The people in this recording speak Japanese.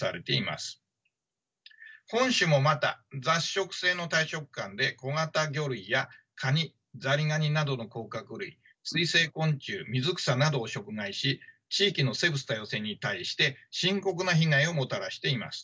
本種もまた雑食性の大食漢で小型魚類やカニザリガニなどの甲殻類水生昆虫水草などを食害し地域の生物多様性に対して深刻な被害をもたらしています。